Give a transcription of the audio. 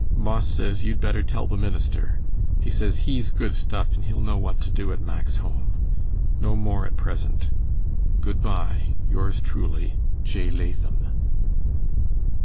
Boss says you'd better tell the minister. He says he's good stuff and he'll know what to do at Mack's home. No more at present. Good bye. Yours truely, J. LATHAM.